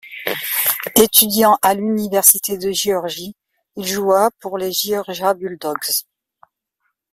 Étudiant à l'Université de Géorgie, il joua pour les Georgia Bulldogs.